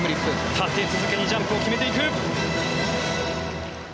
立て続けにジャンプを決めていく。